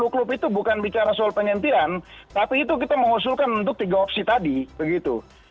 sepuluh klub itu bukan bicara soal penyentilan tapi itu kita mengusulkan untuk tiga opsi tadi begitu